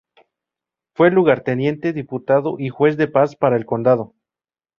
Fue lugarteniente diputado y juez de paz para el condado.